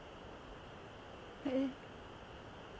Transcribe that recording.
えっ。